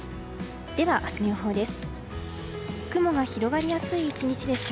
では明日の予報です。